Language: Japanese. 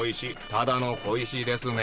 ただの小石ですね？